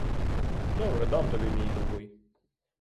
Добре, дам тобі, мій любий!